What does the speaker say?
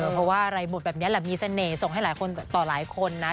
เพราะว่ารายบทแบบนี้แหละมีเสน่ห์ส่งให้หลายคนต่อหลายคนนะ